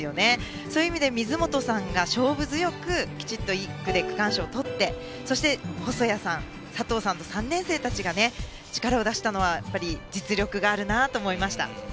そういう意味で水本さんが勝負強くきちんと１区で区間賞をとってそして、細谷さん佐藤さんと３年生たちが力を出したのは実力があるなと思いました。